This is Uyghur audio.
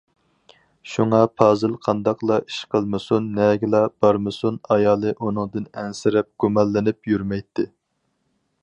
شۇڭا پازىل قانداقلا ئىش قىلمىسۇن، نەگىلا بارمىسۇن ئايالى ئۇنىڭدىن ئەنسىرەپ، گۇمانلىنىپ يۈرمەيتتى.